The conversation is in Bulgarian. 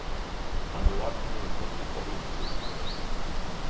Манолаки не отвърна погледа си от къра.